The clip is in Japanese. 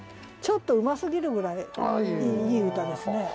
ちょっとうますぎるぐらいいい歌ですね。